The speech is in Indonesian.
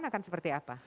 akan seperti apa